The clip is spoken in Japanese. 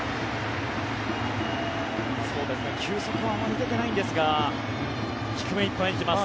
球速はあまり出ていないですが低めいっぱいに来ます。